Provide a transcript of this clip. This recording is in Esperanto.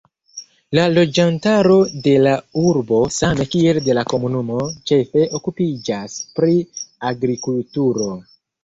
La loĝantaro de la urbo same kiel de la komunumo ĉefe okupiĝas pri agrikulturo.